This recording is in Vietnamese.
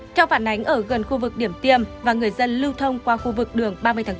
theo phản ánh ở gần khu vực điểm tiêm và người dân lưu thông qua khu vực đường ba mươi tháng bốn